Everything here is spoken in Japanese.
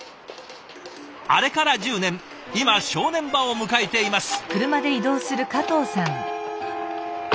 あれから１０年今正念場を迎えています。